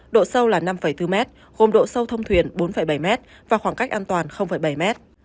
độ sâu là năm bốn m gồm độ sâu thông thuyền bốn bảy m và khoảng cách an toàn bảy m